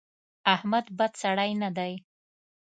احمد بد سړی نه دی.